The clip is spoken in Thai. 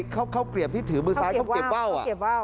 ข้าวเกลียบที่ถือมือซ้ายข้าวเกียบว่าว